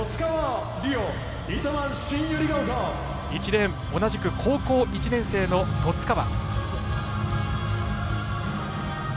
１レーン、同じく高校１年生の戸津川。